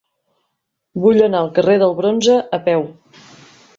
Vull anar al carrer del Bronze a peu.